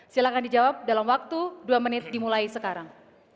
silahkan dijawab dalam waktu dua menit dimulai sekarang